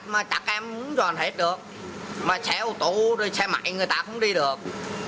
mà chắc em không dọn hết được mà xe ô tô xe máy người ta không đi được